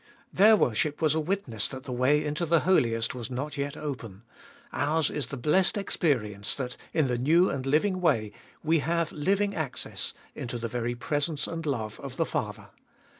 Their worship was a witness that the way into the Holiest was not yet open ; ours is the blessed experience that in the new and living way we have living access into the very presence and love of the Father.